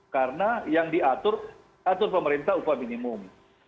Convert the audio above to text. karena yang diatur atur pemerintah upah minimum